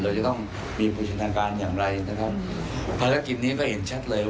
และมีประช๑๕๐๐อาหารยังไกลผลกิจนี้เห็นชัดโอเคย